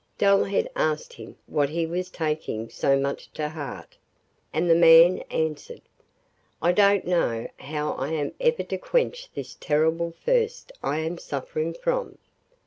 Dullhead asked him what he was taking so much to heart, and the man answered: 'I don't know how I am ever to quench this terrible thirst I am suffering from.